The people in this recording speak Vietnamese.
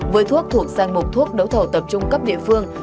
với thuốc thuộc sang mục thuốc đấu thẩu tập trung cấp địa phương